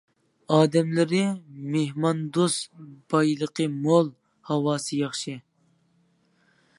ئادەملىرى مېھماندوست، بايلىقى مول، ھاۋاسى ياخشى.